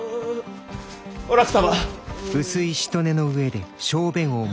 お楽様。